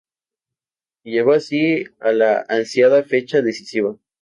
Llegó así la ansiada fecha decisiva.